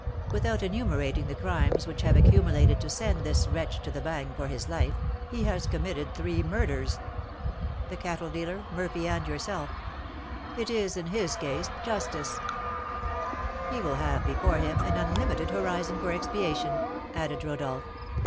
Without enumerating the crimes which have accumulated to send this wretch to the Bagne for his life, he has committed three murders, the cattle dealer, Murphy, and yourself; it is in his case justice " "He will have before him an unlimited horizon for expiation," added Rodolph.